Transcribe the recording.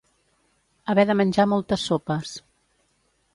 Haver de menjar moltes sopes.